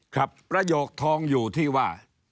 ประโยคทองอยู่ที่ว่า